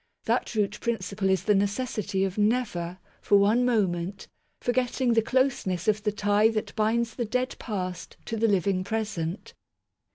That root principle is the necessity of never, for one moment, forgetting the closeness of the tie that binds the dead past to the living present.